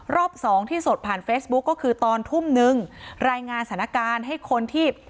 สองที่สดผ่านเฟซบุ๊คก็คือตอนทุ่มนึงรายงานสถานการณ์ให้คนที่